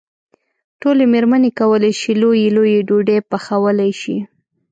ټولې مېرمنې کولای شي لويې لويې ډوډۍ پخولی شي.